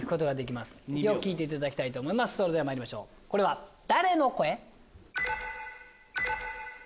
それではまいりましょうこれは誰の声？